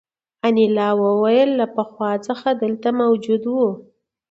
انیلا وویل دا له پخوا څخه دلته موجود وو